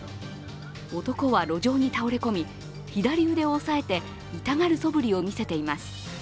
男は路上に倒れ込み、左腕を押さえて痛がるそぶりを見せています。